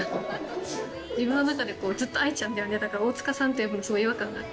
自分の中でずっと「愛ちゃん」って呼んでたから「大塚さん」って呼ぶのすごい違和感があって。